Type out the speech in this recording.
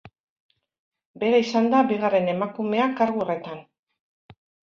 Bera izan da bigarren emakumea kargu horretan.